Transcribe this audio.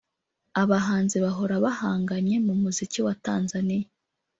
Abahanzi bahora bahanganye mu muziki wa Tanzania